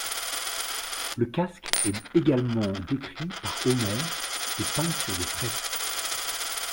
Le casque est également décrit par Homère et peint sur des fresques.